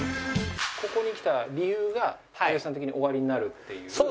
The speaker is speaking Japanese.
ここに来た理由が有吉さん的におありになるっていう。